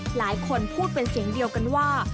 หลายคนพูดเป็นเสียงเดียวกันว่า